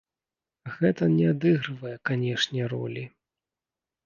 Гэта не адыгрывае, канешне, ролі.